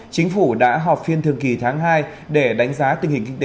chính phủ đã họp phiên thường kỳ tháng hai để đánh giá tình hình kinh tế